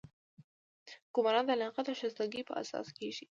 ګمارنه د لیاقت او شایستګۍ په اساس کیږي.